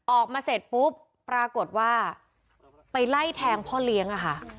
ออกมาเสร็จปุ๊บปรากฏว่าไปไล่แทงพ่อเลี้ยงอะค่ะ